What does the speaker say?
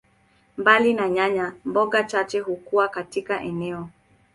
Mbali na nyanya, mboga chache hukua katika eneo.